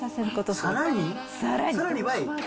さらに倍？